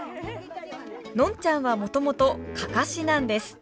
のんちゃんはもともと案山子なんです。